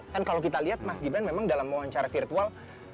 kan kalau kita lihat mas gibran memang dalam wawancara virtual